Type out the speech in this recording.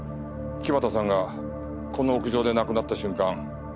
木俣さんがこの屋上で亡くなった瞬間